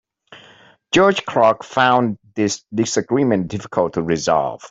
Judge Clark found this disagreement difficult to resolve.